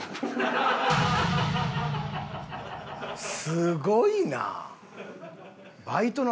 すごいな。